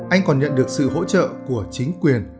anh còn nhận được sự hỗ trợ của chính quyền